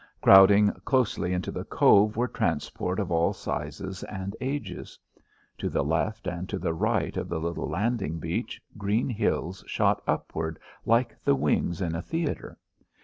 Crowding closely into the cove were transports of all sizes and ages. To the left and to the right of the little landing beach green hills shot upward like the wings in a theatre.